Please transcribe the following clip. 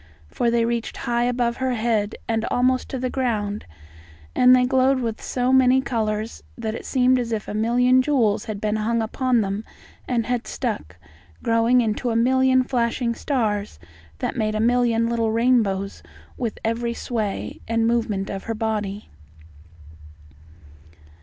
For they reached high above her head and almost to the ground, and they glowed with so many colours that it seemed as if a million jewels had been Hung upon them and had stuck, growing into a million flashing stars that made a million little rainbows with every sway and movement of her body.